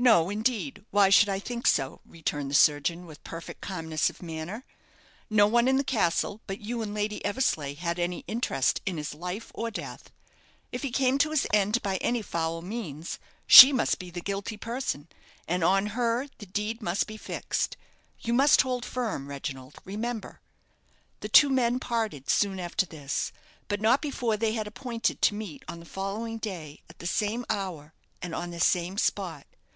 "No, indeed. Why should I think so?" returned the surgeon, with perfect calmness of manner. "No one in the castle, but you and Lady Eversleigh, had any interest in his life or death. If he came to his end by any foul means, she must be the guilty person, and on her the deed must be fixed. You must hold firm, Reginald, remember." The two men parted soon after this; but not before they had appointed to meet on the following day, at the same hour, and on the same spot.